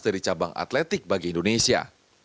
dari cabang atletik bagi indonesia